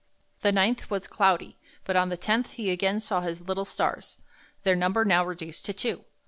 The 9th was cloudy, but on the 10th he again saw his little stars, their number now reduced to two.